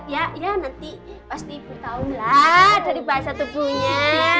ya ya nanti pasti ibu tahulah dari bahasa tubuhnya